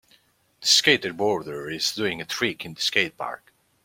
The skateboarder is doing a trick at the skate park